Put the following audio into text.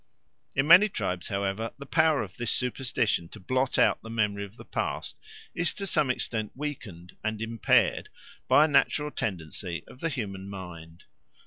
In many tribes, however, the power of this superstition to blot out the memory of the past is to some extent weakened and impaired by a natural tendency of the human mind.